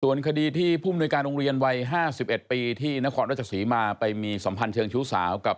ส่วนคดีที่มาไปมีสมพันธ์ชิงงชิวสาวกับ